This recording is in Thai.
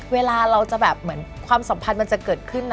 เวลาเราจะแบบเหมือนความสัมพันธ์มันจะเกิดขึ้นนะ